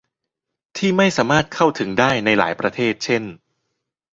ที่ไม่สามารถเข้าถึงได้ในหลายประเทศเช่น